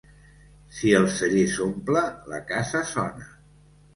Si el celler s'omple, la casa sona.